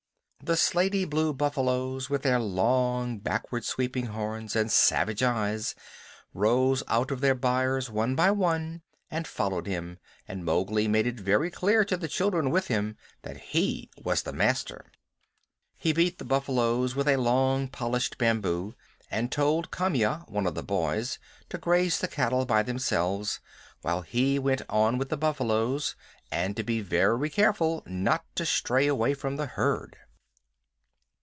The slaty blue buffaloes, with their long, backward sweeping horns and savage eyes, rose out their byres, one by one, and followed him, and Mowgli made it very clear to the children with him that he was the master. He beat the buffaloes with a long, polished bamboo, and told Kamya, one of the boys, to graze the cattle by themselves, while he went on with the buffaloes, and to be very careful not to stray away from the herd.